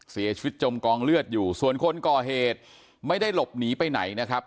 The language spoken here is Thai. จมกองเลือดอยู่ส่วนคนก่อเหตุไม่ได้หลบหนีไปไหนนะครับ